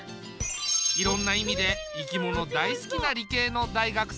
いろんな意味で生き物大好きな理系の大学生。